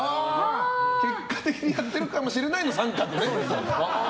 結果的にやってるかもしれないの△。